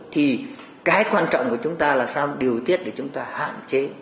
thì cái quan trọng của chúng ta là sao điều tiết để chúng ta hạn chế